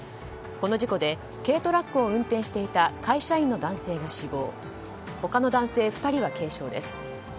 この事故で軽トラックを運転していた会社員の男性が死亡他の男性２人は軽傷です。